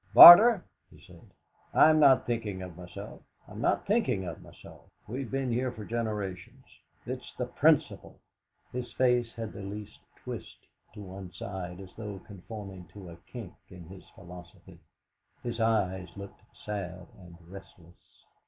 "Barter," he said, "I'm not thinking of myself I'm not thinking of myself we've been here for generations it's the principle." His face had the least twist to one side, as though conforming to a kink in his philosophy; his eyes looked sad and restless.